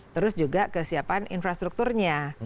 terus juga kesiapan infrastrukturnya